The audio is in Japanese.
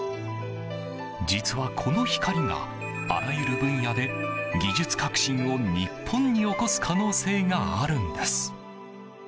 実はこの光が、あらゆる分野で技術革新を日本に起こす可能性があるんです。